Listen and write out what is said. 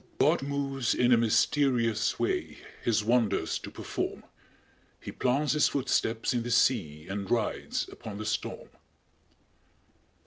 _"God moves in a mysterious way, His wonders to perform, He plants His footsteps in the sea And rides upon the storm."